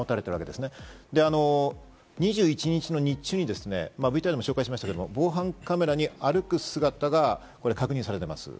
で、２１日の日中にＶＴＲでも紹介しましたけど、防犯カメラに歩く姿が確認されています。